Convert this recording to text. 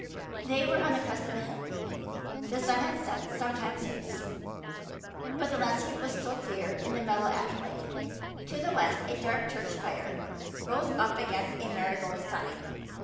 They were on the crest of a hill. The sun had set some time since, but the landscape was still clear in the mellow afterlight. To the west a dark church spire rose up against a marigold sky.